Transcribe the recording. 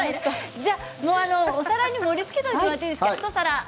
じゃあお皿に盛りつけていただいていいですか。